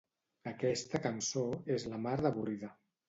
Aquesta cançó és la mar d'avorrida.